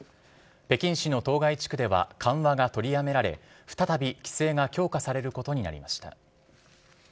北京市の当該地区では、緩和が取りやめられ、再び規制が強化されることになりました。